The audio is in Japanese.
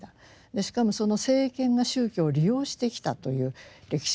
しかもその政権が宗教を利用してきたという歴史があるんですね。